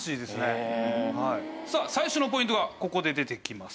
さあ最初のポイントがここで出てきます。